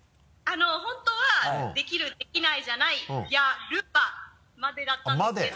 本当は「できるできないじゃないやルンバ！」までだったんですけど。